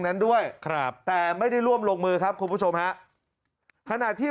นั้นด้วยครับแต่ไม่ได้ร่วมลงมือครับคุณผู้ชมฮะขณะที่